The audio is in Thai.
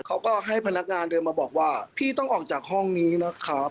เขาก็ให้พนักงานเดินมาบอกว่าพี่ต้องออกจากห้องนี้นะครับ